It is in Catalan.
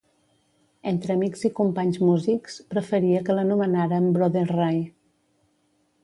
Entre amics i companys músics, preferia que l'anomenaren Brother Ray.